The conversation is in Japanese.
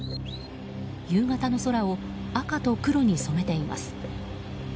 夕方の空を赤と黒に染めています。